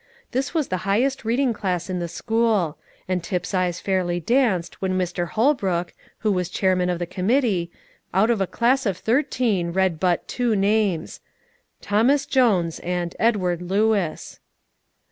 This was the highest reading class in the school: and Tip's eyes fairly danced when Mr. Holbrook, who was chairman of the committee, out of a class of thirteen read but two names, "Thomas Jones" and "Edward Lewis."